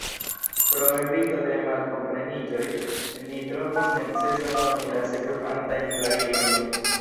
Pro evito de malkompreniĝoj, ni trovas necesa doni la sekvantajn klarigojn.